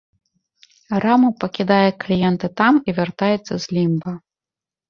Рама пакідае кліента там і вяртаецца з лімба.